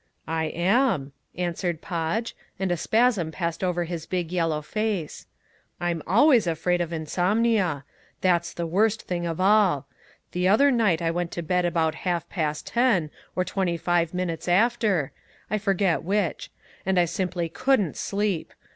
"I am," answered Podge, and a spasm passed over his big yellow face. "I'm always afraid of insomnia. That's the worst thing of all. The other night I went to bed about half past ten, or twenty five minutes after, I forget which, and I simply couldn't sleep.